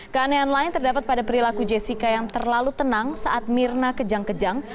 keanehan lain terdapat pada perilaku jessica yang terlalu tenang saat mirna kejang kejang